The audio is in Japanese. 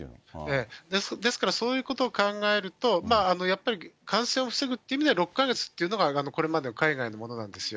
ですからそういうことを考えると、やっぱり感染を防ぐという意味では、６か月でっていうのが、これまで海外のものなんですよ。